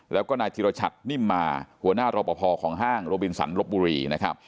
แล้วก็นายธิรชัตร์นิมมาร์หัวหน้ารอบอบภอร์ของห้างโรบินสันรบบุรี